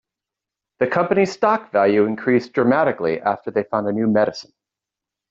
The company's stock value increased dramatically after they found a new medicine.